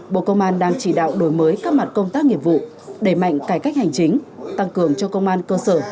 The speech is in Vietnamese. bộ công an đang chỉ đạo đổi mới các mặt công tác nghiệp vụ đẩy mạnh cải cách hành chính tăng cường cho công an cơ sở